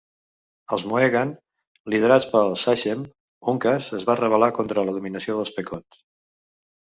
Els mohegan, liderats pel "sachem" Uncas, es van rebel·lar contra la dominació dels pequot.